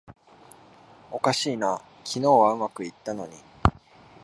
おかしいな、昨日はうまくいったのに